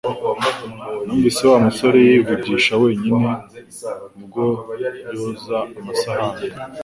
Numvise Wa musore yivugisha wenyine ubwo yoza amasahani